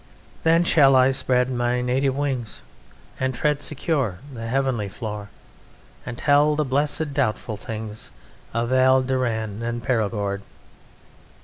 "Then shall I spread my native wings And tread secure the heavenly floor, And tell the Blessed doubtful things Of Val d'Aran and Perigord."